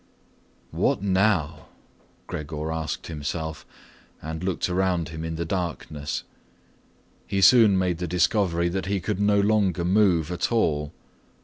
"What now?" Gregor asked himself and looked around him in the darkness. He soon made the discovery that he could no longer move at all.